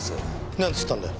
なんて言ったんだよ？